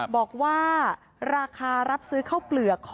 บอกว่าราคารับซื้อข้าวเปลือก